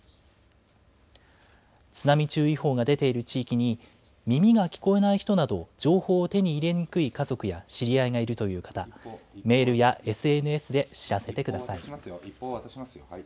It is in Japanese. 津波注意報が出ている地域に、耳が聞こえない人など、情報を手に入れにくい家族や知り合いがいるという方、メールやＳＮＳで知らせてください。